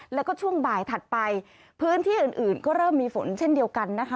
แล้วก็ช่วงบ่ายถัดไปพื้นที่อื่นก็เริ่มมีฝนเช่นเดียวกันนะคะ